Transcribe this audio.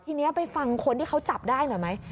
ทีนี้ไปฟังคนที่เขาจับได้หน่อยไหม